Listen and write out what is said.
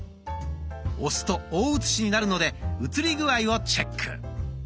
押すと大写しになるので写り具合をチェック。